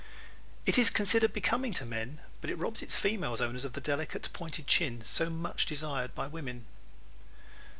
It is considered becoming to men but robs its female owners of the delicate, pointed chin so much desired by women.